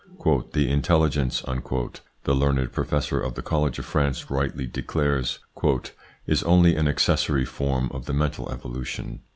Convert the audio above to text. "The intelligence," the learned professor of the College of France rightly declares, "is only an accessory form of the mental evolution.